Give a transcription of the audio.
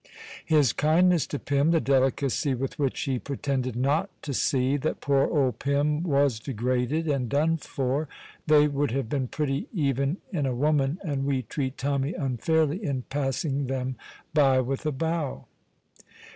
His kindness to Pym, the delicacy with which he pretended not to see that poor old Pym was degraded and done for they would have been pretty even in a woman, and we treat Tommy unfairly in passing them by with a bow.